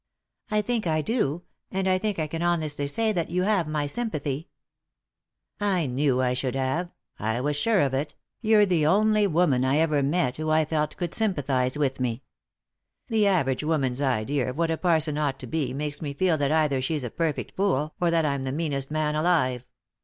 " I think I do ; and I think I can honestly say that you have my sympathy." 85 3i 9 iii^d by Google THE INTERRUPTED KISS " I knew I should have ; I was sure of it ; you're the only woman I ever met who I felt could sympathise with me. The average woman's idea of what a parson ought to be makes me feel that either she's a perfect fool or that I'm the meanest man alive.